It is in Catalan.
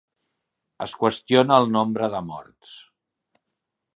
Es qüestiona el nombre de morts.